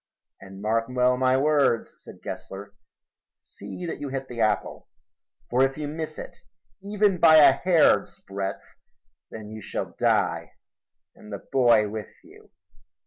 "And mark well my words," said Gessler. "See that you hit the apple, for if you miss it, even by a hair's breadth, then you shall die and the boy with you."